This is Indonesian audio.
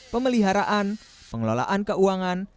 pemeliharaan pengelolaan keuangan